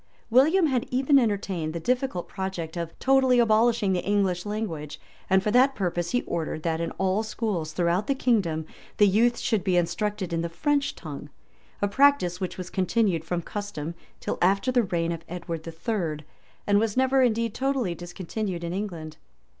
71] William had even entertained the difficult project of totally abolishing the English language; and for that purpose he ordered, that in all schools throughout the kingdom, the youth should be instructed in the French tongue; a practice which was continued from custom till after the reign of Edward III., and was never indeed totally discontinued in England.